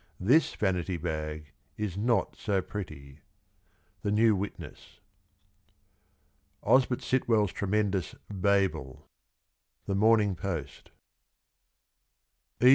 ... [This] vanity bag [is] not so pretty. — The Next' Witness. Osbert Sitwell's tremendous "Babel." — TheMomingPost. 99 E.